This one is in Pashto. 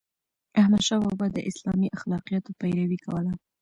احمدشاه بابا د اسلامي اخلاقياتو پیروي کوله.